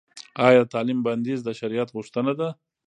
ایا د تعلیم بندیز د شرعیت غوښتنه ده؟